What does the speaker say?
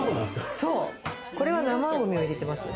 これは生ゴミを入れてます。